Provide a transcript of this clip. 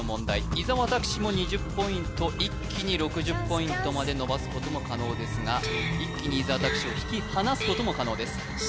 伊沢拓司も２０ポイント一気に６０ポイントまでのばすことも可能ですが一気に伊沢拓司を引き離すことも可能です